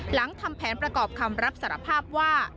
หลังทำแผนประกอบคำรับสารภาพว่า